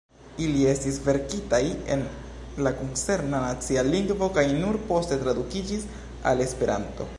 Ili estis verkitaj en la koncerna nacia lingvo kaj nur poste tradukiĝis al Esperanto.